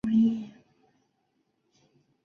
毕业于中央广播电视大学英语专业。